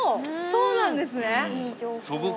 そうなんですね。